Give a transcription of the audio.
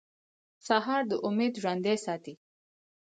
سهار د امید ژوندی ساتي.